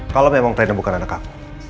kalau memang taina bukan anak aku